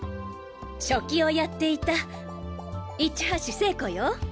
書記をやっていた市橋聖子よ。